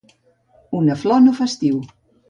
Una flor no fa estiu.